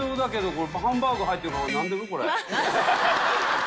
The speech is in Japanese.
これ。